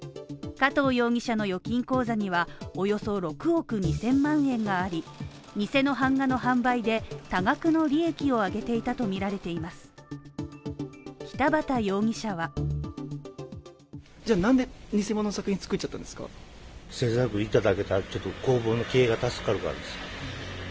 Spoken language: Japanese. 加藤容疑者の預金口座にはおよそ６億２０００万円があり、偽の版画の販売で多額の利益を上げていたとみられています北畑容疑者はなぜ偽物と見分けることができなかったのか。